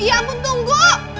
eh ya ampun tunggu